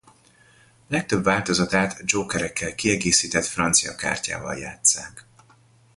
Legtöbb változatát dzsókerekkel kiegészített francia kártyával játsszák.